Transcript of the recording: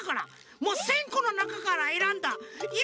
もう１，０００このなかからえらんだいろ